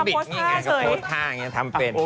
โพสต์ท่าอย่างนี้ทำเป็น